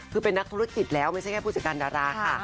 คือเป็นนักธุรกิจแล้วไม่ใช่แค่ผู้จัดการดาราค่ะ